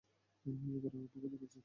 আবার আমাকে দেখাচ্ছে।